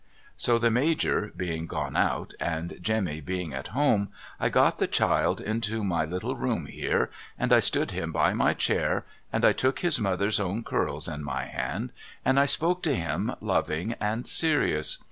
So the Major being gone out and Jemmy being at home, I got the child into my little room here and I stood him by my chair and I took his mother's own curls in my hand and I sjjoke to him loving and serious.